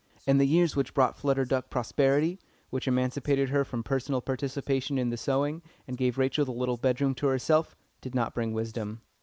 And the years which brought Flutter Duck prosperity, which emancipated her from personal participation in the sewing, and gave Rachel the little bedroom to herself, did not bring wisdom.